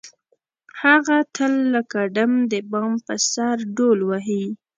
هغه تل لکه ډم د بام په سر ډول وهي.